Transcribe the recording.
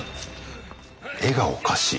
絵がおかしい。